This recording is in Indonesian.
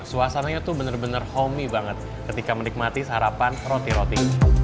suasana itu benar benar homey banget ketika menikmati sarapan roti roti